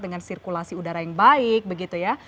dengan sirkulasi udara yang baik begitu ya